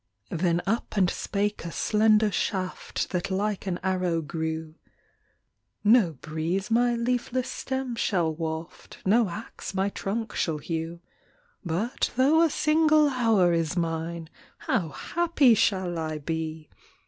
Then up and spake a slender shaft, That like an arrow grew; "No breeze my leafless stem shall waft, No ax my trunk shall hew But though a single hour is mine, How happy shall I be!